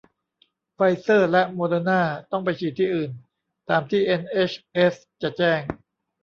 ไฟเซอร์และโมเดอร์นาต้องไปฉีดที่อื่น ตามที่เอ็นเอชเอสจะแจ้ง